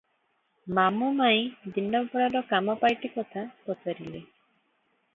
ମାମୁ ମାଇଁ ଦିନ ବେଳର କାମ ପାଇଟି କଥା ପଚାରିଲେ ।